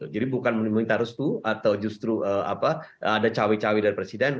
jadi bukan menimbulkan tarus itu atau justru ada cawe cawe dari presiden